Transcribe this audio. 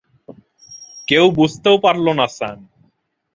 কেউ বুঝতেও পারল না, স্যাম।